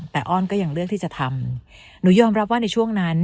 แต่อ้อนก็ยังเลือกที่จะทำหนูยอมรับว่าในช่วงนั้น